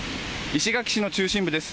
石垣市の中心部です。